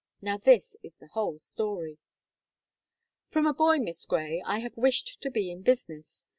Now, this is the whole story: "From a boy, Miss Gray, I have wished to be in business.